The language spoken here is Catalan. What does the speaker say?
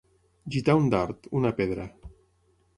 Gitar un dard, una pedra.